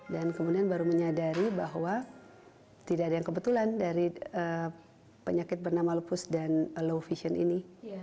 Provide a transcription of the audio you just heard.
dan kemudian baru menyadari bahwa tidak ada yang kebetulan dari penyakit bernama lupus dan low vision ini